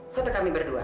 itu foto kami berdua